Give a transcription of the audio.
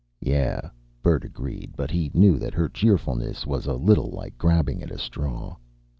"Yeah," Bert agreed, but he knew that her cheerfulness was a little like grabbing at a straw.